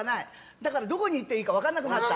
だから、どこにいていいか分からなくなった。